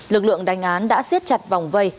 lực lượng đánh án đã xiết chặt vòng vây